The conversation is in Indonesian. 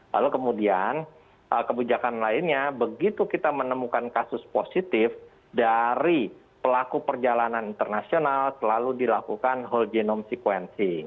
lalu kemudian kebijakan lainnya begitu kita menemukan kasus positif dari pelaku perjalanan internasional selalu dilakukan whole genome sequencing